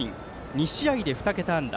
２試合でふた桁安打。